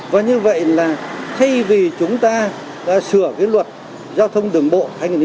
và như vậy là thay vì chúng ta sửa cái luật giao thông đường bộ hai nghìn tám